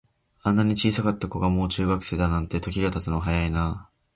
あんなに小さかった子が、もう中学生だなんて、時が経つのは早いなあ。